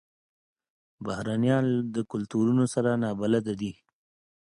بهرنیان د کلتورونو سره نابلده دي.